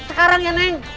sekarang ya neng